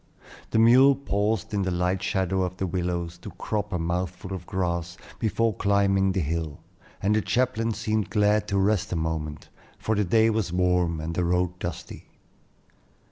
The mule paused in the light shadow of the willows, to crop a mouthful of grass before climbing the hill, and the chaplain seemed glad to rest a moment, for the day was warm and the road dusty.